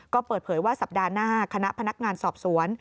ก็เปิดเผยว่าสัปดาห์หน้าคณะพนักงานสอบสวน